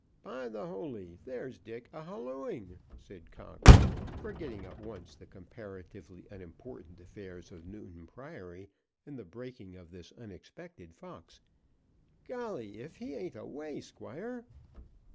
"By the holy, there's Dick a hallooing," said Cox, forgetting at once the comparatively unimportant affairs of Newton Priory in the breaking of this unexpected fox. "Golly; if he ain't away, Squire."